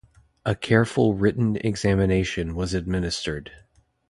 A careful written examination was administered.